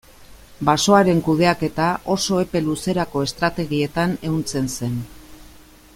Basoaren kudeaketa oso epe luzerako estrategietan ehuntzen zen.